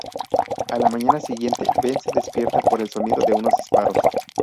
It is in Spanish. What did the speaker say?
A la mañana siguiente Ben se despierta por el sonido de unos disparos.